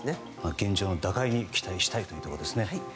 現状の打開を期待したいということですね。